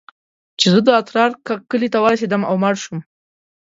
چې زه د اترار کلي ته ورسېدم او مړ سوم.